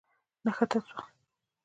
نښته وسوه.